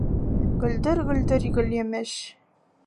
Гөлдөр-гөлдөр гөлйемеш.